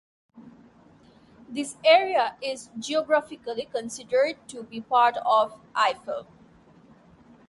This area is geographically considered to be part of the Eifel.